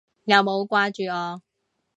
有冇掛住我？